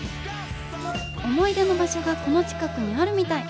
思い出の場所がこの近くにあるみたい。